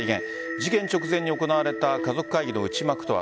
事件直前に行われた家族会議の内幕とは。